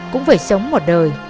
cũng phải sống một đời